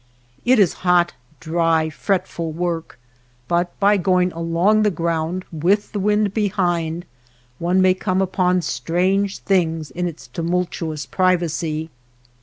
It is hot, dry, fretful work, but by going along the ground with the wind 259 NURSLINGS OF THE SKY behind, one may come upon strange things in its tumultuous privacy.